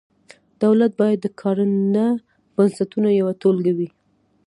دولت باید د کارنده بنسټونو یوه ټولګه وي.